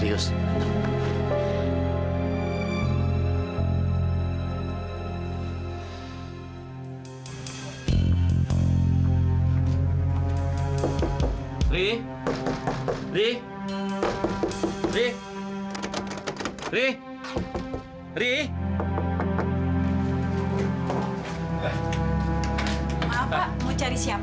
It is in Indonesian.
iri iri tunggu iri